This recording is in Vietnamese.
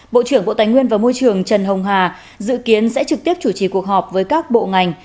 bộ trưởng bộ tài nguyên và môi trường trần hồng hà dự kiến sẽ trực tiếp chủ trì cuộc họp với các bộ ngành